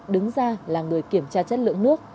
đứng ra là người kiểm tra chất lượng nước